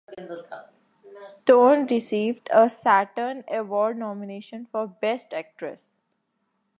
Stone received a Saturn Award nomination for Best Actress.